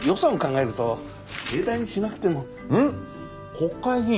国会議員！